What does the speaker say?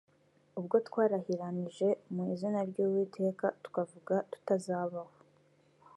ubwo twarahiranije mu izina ry uwiteka tukavuga tuttuzabaho